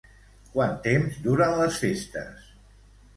Quant temps duren les festes?